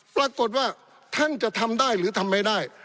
ปรากฏว่าท่านจะทำได้หรือทำไม่ได้